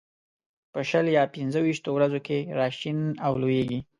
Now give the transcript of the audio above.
په شل یا پنځه ويشتو ورځو کې را شین او لوېږي.